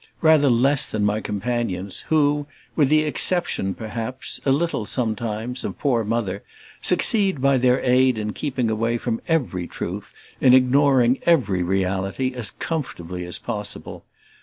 rather less than my companions, who, with the exception, perhaps, a little sometimes! of poor Mother, succeed by their aid in keeping away from every truth, in ignoring every reality, as comfortably as possible.